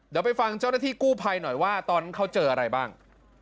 เดี๋ยวไปฟังเจ้าหน้าที่กู้ภัยหน่อยว่าตอนนั้นเขาเจออะไรบ้าง